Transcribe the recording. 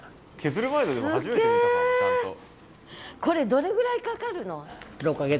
これどれぐらいかかるの？